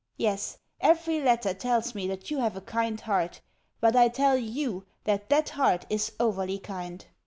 Yes, every letter tells me that you have a kind heart; but I tell YOU that that heart is overly kind.